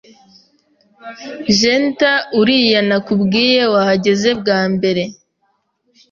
Jetha uriya nakubwiye wahageze bwa mbere